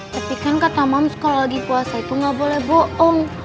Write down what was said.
tapi kan kata mams kalau lagi puasa itu nggak boleh bohong